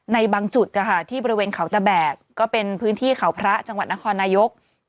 ในบางจุดที่บริเวณเขาตะแบกก็เป็นพื้นที่เขาพระจังหวัดนครนายก